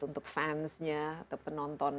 untuk fansnya atau penonton